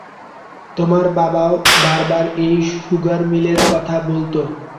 তোমার বাবাও বারবার এই সুগার মিলের কথা বলত।